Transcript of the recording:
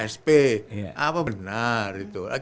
sp apa benar itu